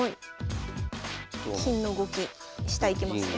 金の動き下行けますね。